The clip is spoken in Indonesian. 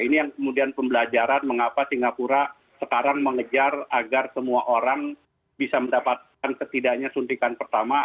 ini yang kemudian pembelajaran mengapa singapura sekarang mengejar agar semua orang bisa mendapatkan setidaknya suntikan pertama